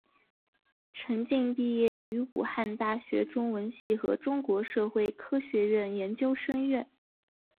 陈晋毕业于武汉大学中文系和中国社会科学院研究生院。